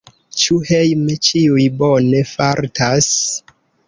Ĉu hejme ĉiuj bone fartas?